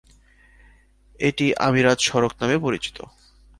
এটি আমিরাত সড়ক নামেও পরিচিত।